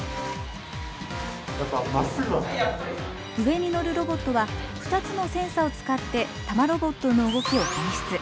上に乗るロボットは２つのセンサを使って玉ロボットの動きを検出。